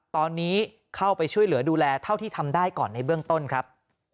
ตอนนี้เข้าไปช่วยเหลือดูแลเท่าที่ทำได้ก่อนในเบื้องต้นครับ